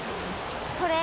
これ。